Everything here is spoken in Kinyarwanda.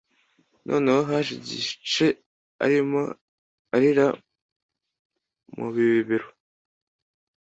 noneho haje igice arimo arira mu bibero